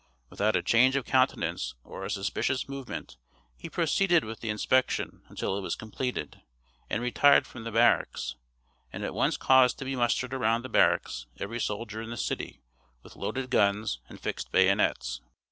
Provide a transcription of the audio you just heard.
Without a change of countenance or a suspicious movement he proceeded with the inspection until it was completed, and retired from the barracks, and at once caused to be mustered around the barracks every soldier in the city with loaded guns and fixed bayonets.